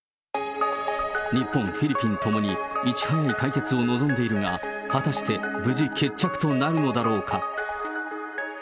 日本、フィリピンともに、いち早い解決を望んでいるが、果たして、無事決着となるのだろうか。